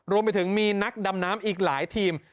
รวมไปถึงมีนักดำน้ำอีกหลายทีม